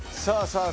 さあ